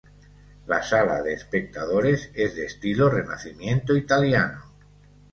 La sala de espectadores es de estilo Renacimiento Italiano.